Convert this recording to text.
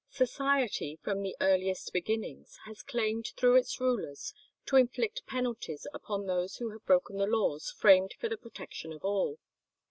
Society, from the earliest beginnings, has claimed through its rulers to inflict penalties upon those who have broken the laws framed for the protection of all.